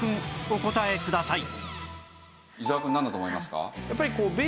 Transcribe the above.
お答えください